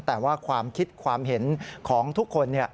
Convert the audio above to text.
แต่ว่าความคิดความเห็นของทุกคน